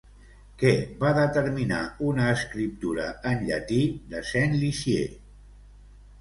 Què va determinar una escriptura en llatí de Saint-Lizier?